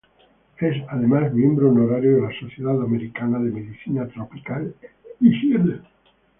Es, además, miembro honorario de la Sociedad Americana de Medicina Tropical e Higiene.